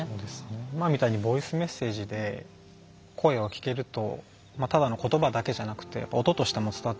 今みたいにボイスメッセージで声を聞けるとただの言葉だけじゃなくて音としても伝わってくるので。